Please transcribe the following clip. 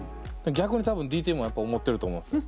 逆に多分ＤＴＭもやっぱ思ってると思うんですよ。